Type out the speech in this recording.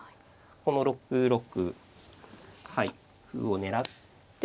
この６六はい歩を狙って。